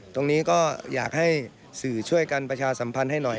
ตรงนี้ก็อยากให้สื่อช่วยกันประชาสัมพันธ์ให้หน่อย